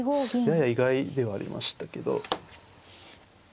やや意外ではありましたけど。